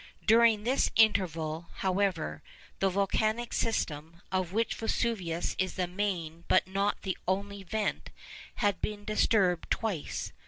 During this interval, however, the volcanic system, of which Vesuvius is the main but not the only vent, had been disturbed twice.